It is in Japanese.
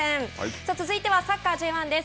さあ、続いてはサッカーＪ１です。